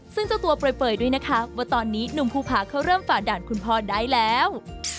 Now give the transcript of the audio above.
ซึ่งเจ้าตัวเปลยด้วยนะคะว่าตอนนี้หนุ่มภูผาเขาเริ่มฝ่าด่านคุณพ่อได้แล้ว